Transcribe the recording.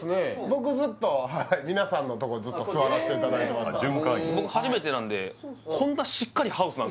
僕ずっと皆さんのとこ座らせていただいてました